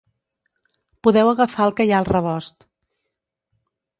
Podeu agafar el que hi ha al rebost.